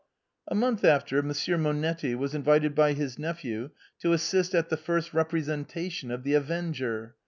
A month after. Monsieur Monetti was invited by his nephew to assist at the first representation of " The Avenger."